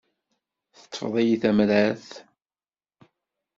Teṭṭef-iyi temrart.